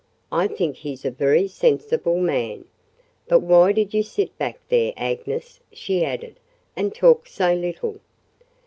I think he's a very sensible man. But why did you sit back there, Agnes," she added, "and talk so little?"